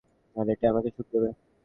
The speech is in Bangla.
আর এটাই আমাকে সুখ দেবে।